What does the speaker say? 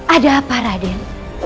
ada apa raden